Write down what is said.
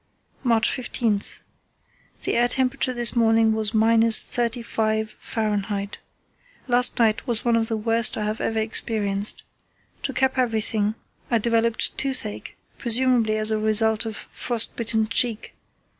"March 15.—The air temperature this morning was –35° Fahr. Last night was one of the worst I have ever experienced. To cap everything, I developed toothache, presumably as a result of frost bitten cheek.